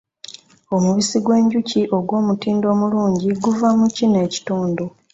Omubisi gw'enjuki ogw'omutindo omulungi guva mu kino ekitundu.